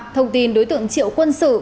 thông tin đối tượng triệu quân sự